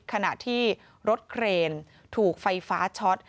ขณะที่รถเครนถูกไฟฟ้าช็อต